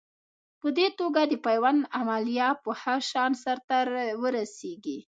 په دې توګه د پیوند عملیه په ښه شان سر ته ورسېږي.